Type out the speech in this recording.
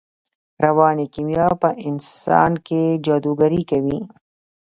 رواني کیمیا په انسان کې جادوګري کوي